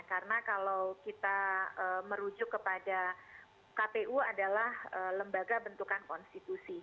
karena kalau kita merujuk kepada kpu adalah lembaga bentukan konstitusi